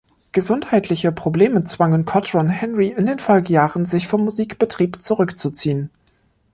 Gesundheitliche Probleme zwangen Cotron-Henry in den Folgejahren, sich vom Musikbetrieb zurückzuziehen.